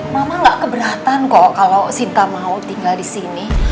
mama gak keberatan kok kalau sinta mau tinggal di sini